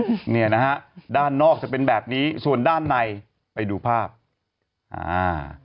เนี่ยนะฮะด้านนอกจะเป็นแบบนี้ส่วนด้านในไปดูภาพอ่า